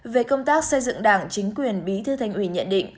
về công tác xây dựng đảng chính quyền bí thư thành ủy nhận định